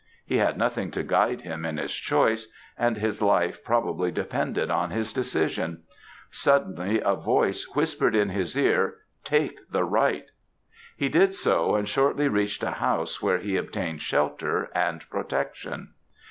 He had nothing to guide him in his choice, and his life probably depended on his decision! Suddenly, a voice whispered in his ear, 'Take the right!' He did so, and shortly reached a house where he obtained shelter and protection.